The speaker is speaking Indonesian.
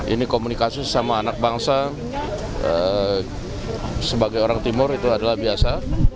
ini komunikasi sama anak bangsa sebagai orang timur itu adalah biasa